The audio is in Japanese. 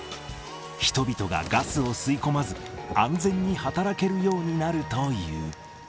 人々がガスを吸い込まず、安全に働けるようになるという。